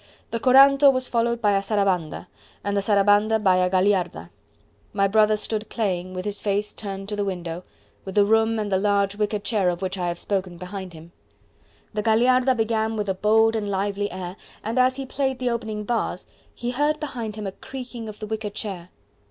The Coranto was followed by a Sarabanda, and the Sarabanda by a Gagliarda. My brother stood playing, with his face turned to the window, with the room and the large wicker chair of which I have spoken behind him. The Gagliarda began with a bold and lively air, and as he played the opening bars, he heard behind him a creaking of the wicker chair.